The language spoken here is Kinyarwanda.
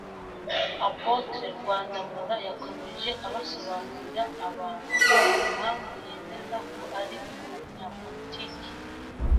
Apotre Rwandamura yakomeje abasobanurira abantu impamvu yemeje ko ari umunyapolitiki